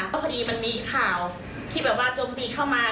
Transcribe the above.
พอดีจะมีข่าวที่จมตีเข้ามา